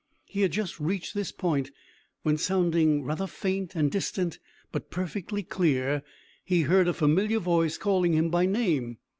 He had just reached this point when, sounding rather faint and distant but perfectly clear, he heard a familiar voice calling him by name.